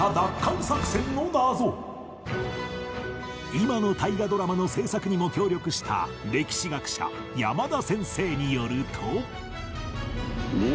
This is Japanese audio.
今の大河ドラマの制作にも協力した歴史学者山田先生によると